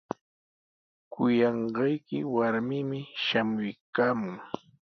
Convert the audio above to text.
Kuyanqayki warmimi shamuykaamun.